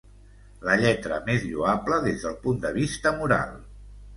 La lletra més lloable des del punt de vista moral.